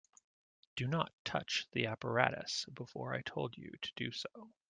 Do not touch the apparatus before I told you to do so.